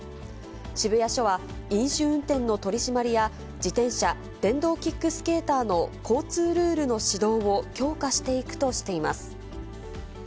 渋谷署は飲酒運転の取締りや、自転車、電動キックスケーターの交通ルールの指導を強化していくとしています。